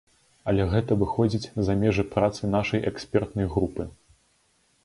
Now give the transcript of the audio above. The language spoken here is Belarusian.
Але гэта выходзіць за межы працы нашай экспертнай групы.